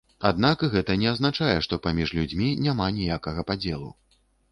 Аднак гэта не азначае, что паміж людзьмі няма ніякага падзелу.